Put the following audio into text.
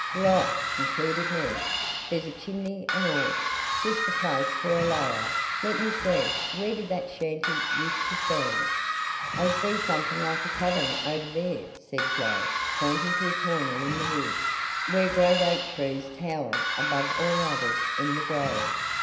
"Right," concluded Ned; "there's a chimney and all. Just the place for a layout. Let me see, where did that shanty used to stand?" "I see something like a cabin over there," said Joe, pointing to a corner in the woods where great oak trees towered above all others in the grove.